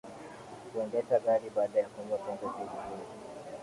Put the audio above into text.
Kuendesha gari baada ya kunywa pombe si vizuri